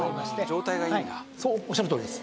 そうおっしゃるとおりです。